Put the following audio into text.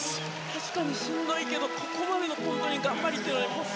確かにしんどいけどここまでの頑張りというのを。